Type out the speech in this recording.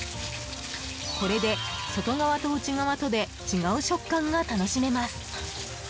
これで、外側と内側とで違う食感が楽しめます。